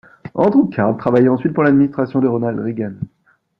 Andrew Card travailla ensuite pour l'administration de Ronald Reagan.